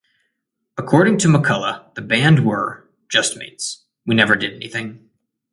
According to McCulloch, the band were ...just mates - we never did anything.